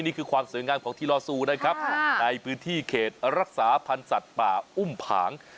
นี่คือความสวยงามของทีลอซูนะครับในพื้นที่เขตรักษาพันธ์สัตว์ป่าอุ้มผาง